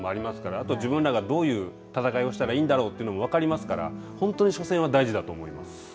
あと、自分らがどういう戦いをしたらいいんだろうというのも分かりますから、本当に初戦は大事だと思います。